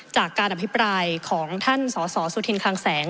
จากการอภิปรายของท่านสสสุธินคลังแสง